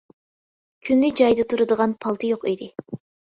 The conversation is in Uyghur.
كۈندە جايىدا تۇرىدىغان پالتا يوق ئىدى.